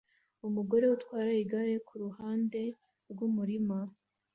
Umugore utwara igare kuruhande rwumurima